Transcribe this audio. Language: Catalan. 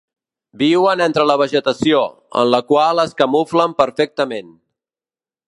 Viuen entre la vegetació, en la qual es camuflen perfectament.